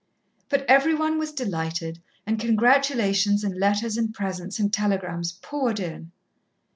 But every one was delighted, and congratulations and letters and presents and telegrams poured in.